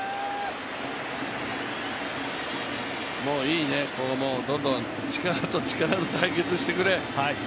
もういいね、どんどん力と力の対決してくれ。